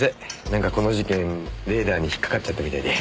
なんかこの事件レーダーに引っかかっちゃったみたいで。